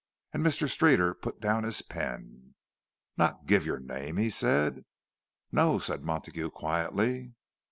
And Mr. Streeter put down his pen. "Not give your name?" he said. "No," said Montague quietly.